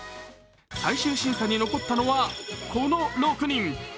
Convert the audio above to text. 最終審査に残ったのは、この６人。